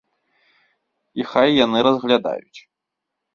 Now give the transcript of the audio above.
І хай яны разглядаюць.